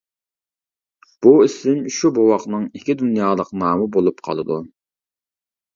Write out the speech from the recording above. بۇ ئىسىم شۇ بوۋاقنىڭ ئىككى دۇنيالىق نامى بولۇپ قالىدۇ.